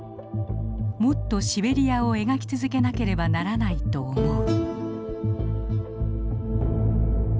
もっとシベリヤを描きつづけなければならないと思う」。